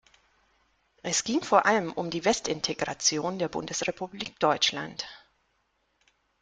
Es ging vor allem um die Westintegration der Bundesrepublik Deutschland.